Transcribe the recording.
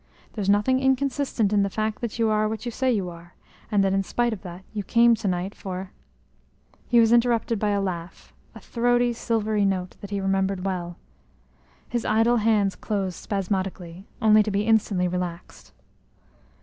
There's nothing inconsistent in the fact that you are what you say you are, and that in spite of that, you came to night for " He was interrupted by a laugh, a throaty, silvery note that he remembered well. His idle hands closed spasmodically, only to be instantly relaxed.